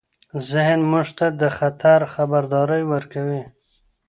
ذهن موږ ته د خطر خبرداری ورکوي.